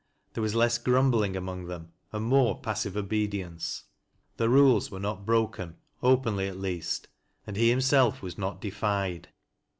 There was less grum bling among them and more passive obedience. The rules were not broken, openly, at least, and he himseli oy euAJw. 93 waf /lot defied.